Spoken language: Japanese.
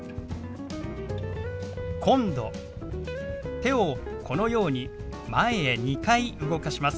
手をこのように前へ２回動かします。